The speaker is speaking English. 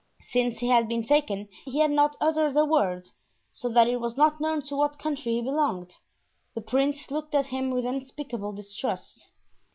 Since he had been taken he had not uttered a word, so that it was not known to what country he belonged. The prince looked at him with unspeakable distrust.